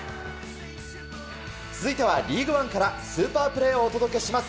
続いてはリーグワンから、スーパープレーをお届けします。